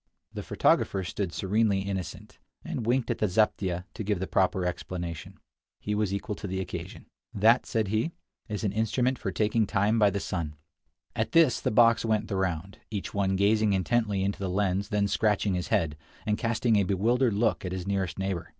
The photographer stood serenely innocent, and winked at the zaptieh to give the proper explanation. He was equal to the occasion. "That," said he, "is an instrument for taking time by the sun." At this the box went the round, each one gazing intently into the lens, then scratching his head, and casting a bewildered look at his nearest neighbor.